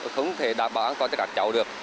không thể đảm bảo an toàn cho các cháu được